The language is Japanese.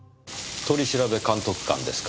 取調監督官ですか。